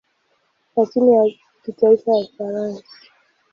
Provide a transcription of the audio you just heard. na timu ya kitaifa ya Ufaransa.